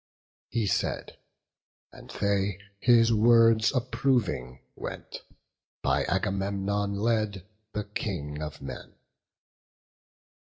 He said, and they, his words approving, went, By Agamemnon led, the King of men.